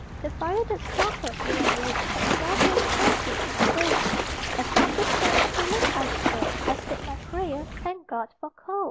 The fire that sparkled Blue and red, Kept small toes cosy In their bed. As up the stair So late I stole, I said my prayer: _Thank God for coal!